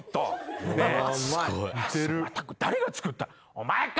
お前か！